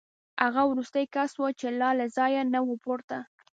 هغه وروستی کس و چې لا له ځایه نه و پورته